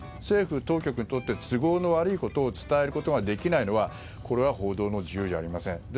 政府当局にとって都合の悪いことを伝えることができないのは報道の自由じゃありません。